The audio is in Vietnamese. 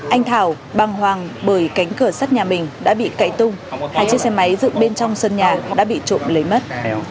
anh thảo băng hoàng bởi cánh cửa sắt nhà mình đã bị cậy tung hai chiếc xe máy dựng bên trong sân nhà đã bị trộm lấy mất